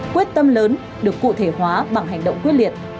quyết tâm lớn được cụ thể hóa bằng hành động quyết liệt